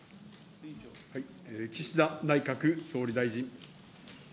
岸田内閣総理大臣。